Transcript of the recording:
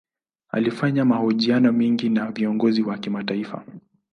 Alifanya mahojiano mengi na viongozi wa kimataifa.